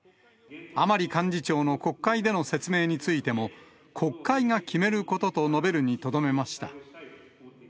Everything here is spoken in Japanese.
甘利幹事長の国会での説明についても、国会が決めることと述べるにとどめました。